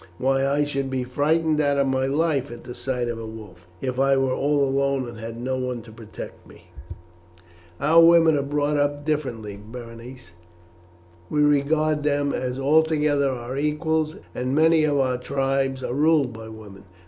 Why, I should be frightened out of my life at the sight of a wolf if I were all alone and had no one to protect me." "Our women are brought up differently, Berenice. We regard them as altogether our equals, and many of our tribes are ruled by women.